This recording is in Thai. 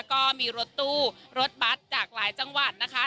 ก็มีรถตู้รถบัตรจากหลายจังหวัดนะคะ